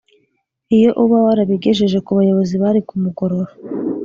iyo uba warabigejeje ku bayobozi bari kumugorora